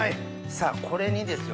さぁこれにですよ